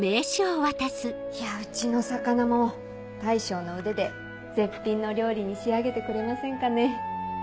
いやうちの魚も大将の腕で絶品の料理に仕上げてくれませんかね？